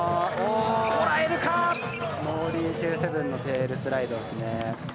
ノーリー２７０のテールスライドですね。